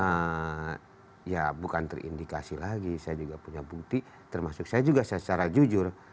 karena ya bukan terindikasi lagi saya juga punya bukti termasuk saya juga secara jujur